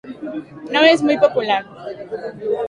No es muy popular.